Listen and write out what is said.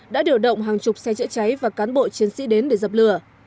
đã điều động hàng chục xe chữa cháy và cán bộ chiến sĩ đến để dập lửa